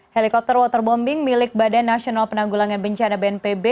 helikopter waterbombing milik badan nasional penanggulangan bencana bnpb